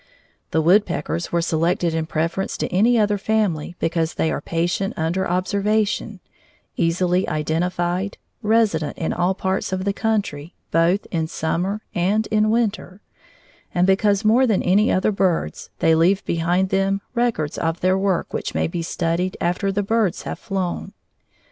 The woodpeckers were selected in preference to any other family because they are patient under observation, easily identified, resident in all parts of the country both in summer and in winter, and because more than any other birds they leave behind them records of their work which may be studied after the birds have flown.